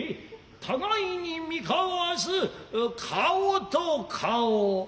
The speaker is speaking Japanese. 互いに見交わす顔と顔